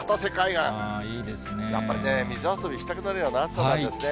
やっぱりね、水遊びしたくなるような暑さなんですね。